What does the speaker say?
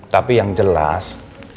tapi yang jelas